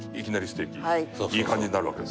ステーキいい感じになるわけですよ。